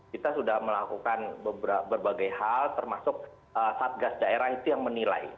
kita sudah melakukan berbagai hal termasuk satgas daerah itu yang menilai